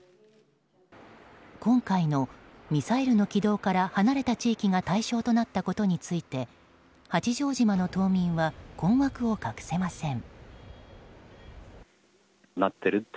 今回のミサイルの軌道から離れた地域が対象になったことについて八丈島の島民は困惑を隠せません。